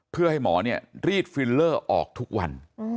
เพื่อให้หมอรีดฟิลเลอร์ออกทุกวัน